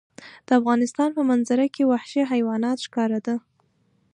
د افغانستان په منظره کې وحشي حیوانات ښکاره ده.